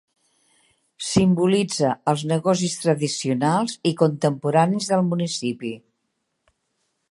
Simbolitza els negocis tradicionals i contemporanis del municipi.